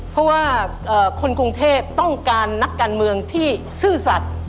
เพราะว่าคนกรุงเทพต้องการนักการเมืองที่ซื่อสัตว์